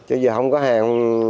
chứ giờ không có hàng